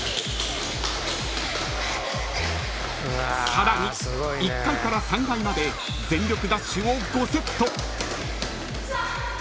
［さらに１階から３階まで全力ダッシュを５セット］